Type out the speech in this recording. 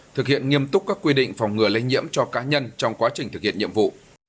thực hiện nghiêm túc các quy định phòng ngừa lây nhiễm cho cá nhân trong quá trình thực hiện nhiệm vụ